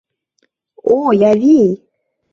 Ой, авий!